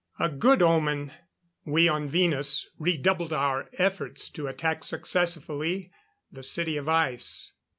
A good omen. We on Venus, redoubled our efforts to attack successfully the City of Ice.